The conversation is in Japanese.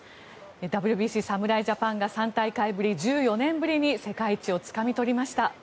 ＷＢＣ侍ジャパンが３大会ぶり１４年ぶりに世界一をつかみ取りました。